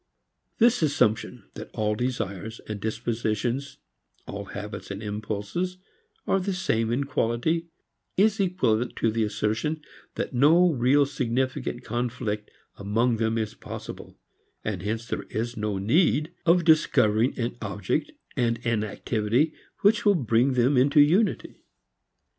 This assumption that all desires and dispositions, all habits and impulses, are the same in quality is equivalent to the assertion that no real or significant conflict among them is possible; and hence there is no need of discovering an object and an activity which will bring them into unity.